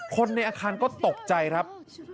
คนในอาคารก็ตกใจครับ